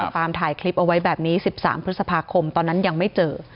ฟาร์มถ่ายคลิปเอาไว้แบบนี้๑๓พฤษภาคมตอนนั้นยังไม่เจอ